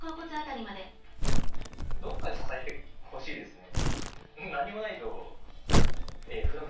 どっかで支えてほしいですね。